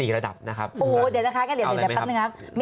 ๔ระดับนะครับ